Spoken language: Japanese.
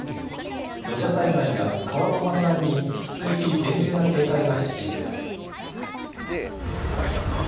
土砂災害や川の氾濫に引き続き厳重な警戒が必要です。